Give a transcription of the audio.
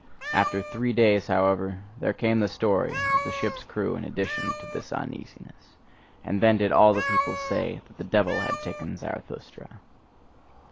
After three days, however, there came the story of the ship's crew in addition to this uneasiness and then did all the people say that the devil had taken Zarathustra.